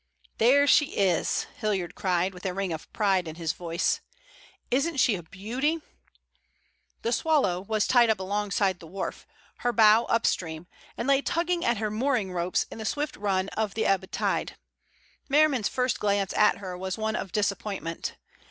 "There she is," Hilliard cried, with a ring of pride in his voice. "Isn't she a beauty?" The Swallow was tied up alongside the wharf, her bow upstream, and lay tugging at her mooring ropes in the swift run of the ebb tide. Merriman's first glance at her was one of disappointment.